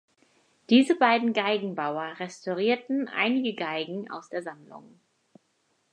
Diese beiden Geigenbauer restaurierten einige Geigen aus der Sammlung.